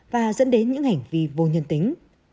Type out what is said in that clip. và dẫn đến những hành vi vô nhân tính